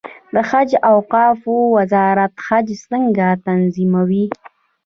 د حج او اوقافو وزارت حج څنګه تنظیموي؟